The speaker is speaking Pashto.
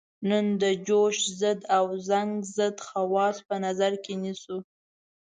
نن د جوش ضد او زنګ ضد خواص په نظر کې نیسو.